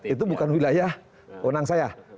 itu bukan wilayah wonang saya